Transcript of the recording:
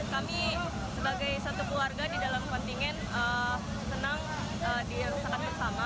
kami sebagai satu keluarga di dalam kontingen senang dirusakan bersama